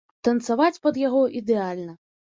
Танцаваць пад яго ідэальна.